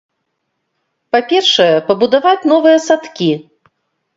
Па-першае, пабудаваць новыя садкі.